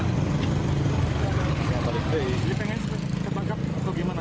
jadi pengen ketangkap atau gimana